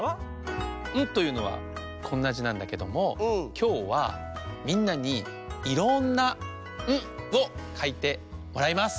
「ん」というのはこんな「じ」なんだけどもきょうはみんなにいろんな「ん」をかいてもらいます。